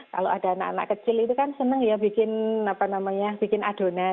kalau ada anak anak kecil itu kan senang ya bikin apa namanya bikin adonan